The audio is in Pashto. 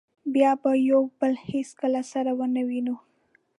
بیا به یو بل هېڅکله سره و نه وینو.